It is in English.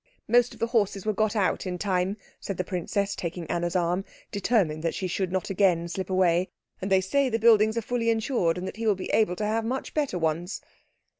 "Most of the horses were got out in time," said the princess, taking Anna's arm, determined that she should not again slip away, "and they say the buildings are fully insured, and he will be able to have much better ones."